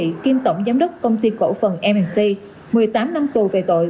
và viên tổng giám đốc công ty cổ phần m c một mươi tám năm tù về tội